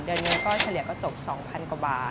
เดือนนี้ก็เฉลี่ยกงว่าจบ๒๐๐๐กว่าบาท